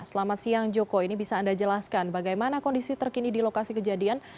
selamat siang joko ini bisa anda jelaskan bagaimana kondisi terkini di lokasi kejadian